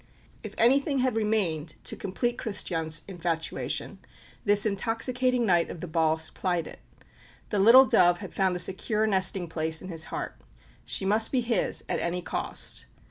If anything had remained to complete Christian's infatuation, this intoxicating night of the ball supplied it. The "little dove" had found a secure nesting place in his heart. She must be his at any cost.